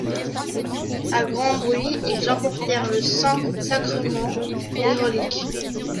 À grand bruit, ils emportèrent le saint sacrement, les reliques.